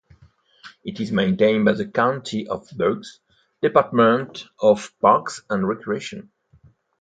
It is maintained by the County of Bucks, Department of Parks and Recreation.